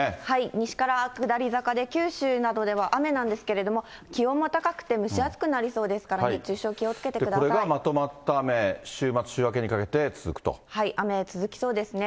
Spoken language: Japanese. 西から下り坂で、九州などでは雨なんですけれども、気温も高くて蒸し暑くなりそうですから、熱中症、気をつけてくだこれがまとまった雨、週末、雨、続きそうですね。